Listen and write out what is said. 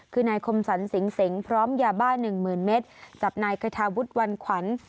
คือนายคมสรรสิงสิงพร้อมยาบ้าหนึ่งหมื่นเมตรจับนายกระทะวุดวันขวัญ